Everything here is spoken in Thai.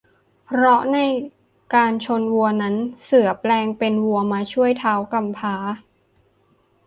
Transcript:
เพราะในการชนวัวนั้น เสือแปลงเป็นวัวมาช่วยท้าวกำพร้า